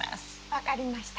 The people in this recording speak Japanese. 分かりました。